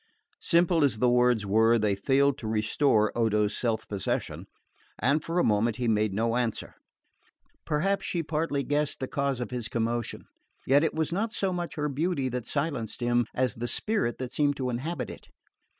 Simple as the words were, they failed to restore Odo's self possession, and for a moment he made no answer. Perhaps she partly guessed the cause of his commotion; yet it was not so much her beauty that silenced him, as the spirit that seemed to inhabit it.